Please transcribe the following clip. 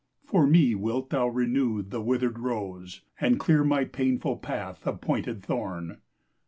For me wilt thou renew the wither 'd rofe, And clear my painful path of pointed thorn